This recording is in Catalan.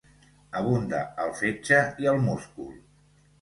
Abunda al fetge i al múscul.